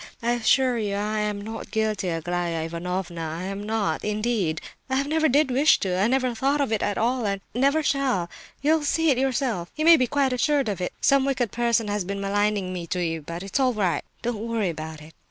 I assure you I am not guilty, Aglaya Ivanovna, I am not, indeed. I never did wish to—I never thought of it at all—and never shall—you'll see it yourself—you may be quite assured of it. Some wicked person has been maligning me to you; but it's all right. Don't worry about it."